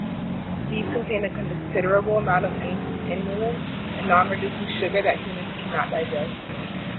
These contain a considerable amount of inulin, a non-reducing sugar that humans cannot digest.